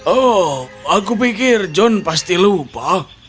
oh aku pikir john pasti lupa